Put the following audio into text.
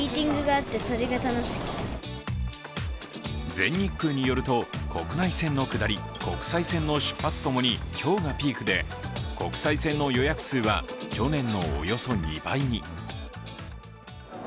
全日空によると、国内線の下り、国際線の出発ともに今日がピークで、国際線の予約数は去年のおよそ２倍に。